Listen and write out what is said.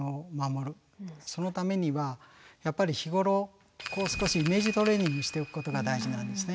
そのためにはやっぱり日頃こう少しイメージトレーニングしておくことが大事なんですね。